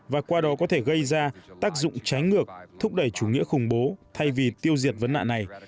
và qua đó có thể gây ra tác dụng trái ngược thúc đẩy chủ nghĩa khủng bố thay vì tiêu diệt vấn nạn này